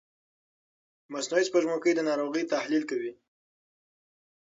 مصنوعي سپوږمکۍ د ناروغۍ تحلیل کوي.